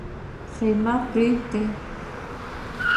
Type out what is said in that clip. خېمې پرېږدو.